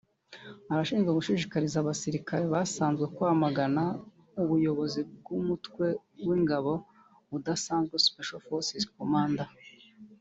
Arashinjwa gushishikariza abasirikare basanzwe kwamagana ubuyobozi bwa bw’umutwe w’ingabo udasanzwe (Special Force command)